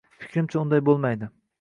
Fikrimcha, unday bo'lmaydi.